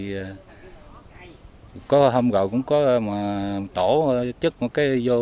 nhiều dân trading lúc đầu cũng có một tổ chức một tổ hợp tác đó